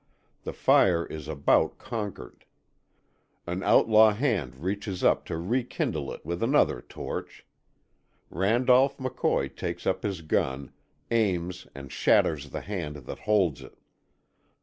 The fire is about conquered. An outlaw hand reaches up to rekindle it with another torch. Randolph McCoy takes up his gun, aims and shatters the hand that holds it.